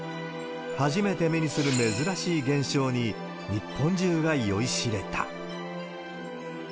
初めて目にする珍しい現象に、日本中が酔いしれた。